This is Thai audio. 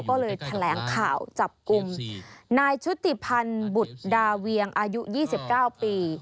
ก็เลยแถลงข่าวจับกลุ่มนายชุติพันธ์บุตรดาเวียงอายุ๒๙ปี